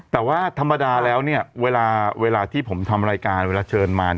แต่ว่าธรรมดาแล้วเนี่ยเวลาที่ผมทำรายการเวลาเชิญมา